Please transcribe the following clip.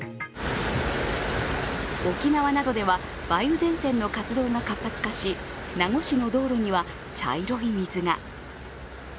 沖縄などでは梅雨前線の活動が活発化し、名護市の道路には茶色い水が。